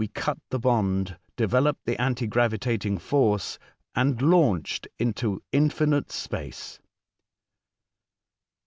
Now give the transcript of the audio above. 99 cut the bond, developed the anti gravitating force, and launched into infinite space.